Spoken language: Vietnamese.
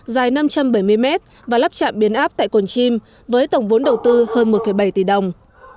dài năm trăm bảy mươi mét và lắp chạm biến áp tại cồn chim với tổng vốn đầu tư hơn một bảy tỷ đồng